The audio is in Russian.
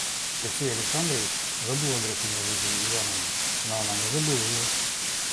Алексей Александрович забыл о графине Лидии Ивановне, но она не забыла его.